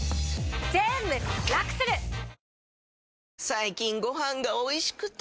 最近ご飯がおいしくて！